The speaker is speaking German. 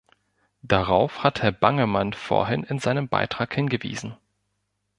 Darauf hat Herr Bangemann vorhin in seinem Beitrag hingewiesen.